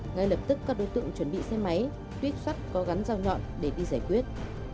ngay lập tức các đối tượng chuẩn bị xe máy tuyết xuất có gắn rào nhọn để đi giải quyết